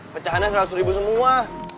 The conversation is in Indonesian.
pecahannya seratus ribu semua